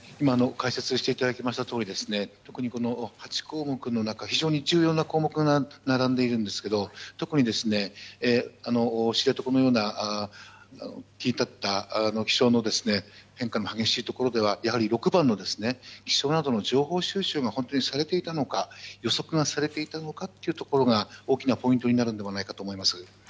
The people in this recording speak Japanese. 解説していただきましたとおり特に、８項目非常に重要な項目が並んでいるんですけど特に、知床のような切り立った気象の変化の激しいところではやはり６番の気象などの情報収集が本当にされていたのか予測がされていたのかというのが大きなポイントになるのではないかと思います。